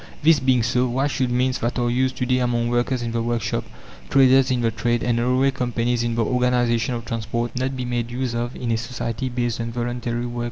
This being so, why should means that are used to day among workers in the workshop, traders in the trade, and railway companies in the organization of transport, not be made use of in a society based on voluntary work?